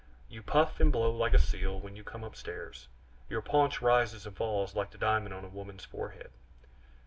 You puff and blow like a seal when you come upstairs; your paunch rises and falls like the diamond on a woman's forehead!